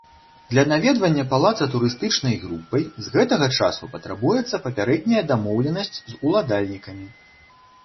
Для наведвання палаца турыстычнай групай з гэтага часу патрабуецца папярэдняя дамоўленасць з уладальнікамі.